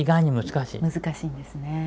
難しいんですね。